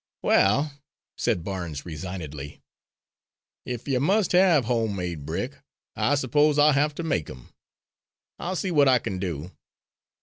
"Well," said Barnes resignedly, "if you must have home made brick, I suppose I'll have to make 'em. I'll see what I can do."